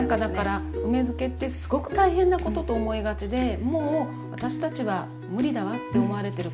梅漬けってすごく大変なことと思いがちでもう私たちは無理だわって思われてる方